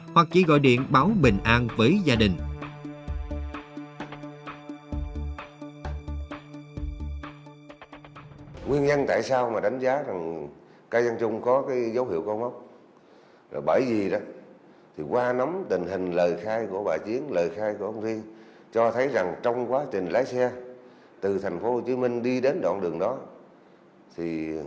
hoặc chỉ gọi điện báo bình an với gia đình